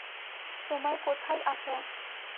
তোমায় কোথায় আছো?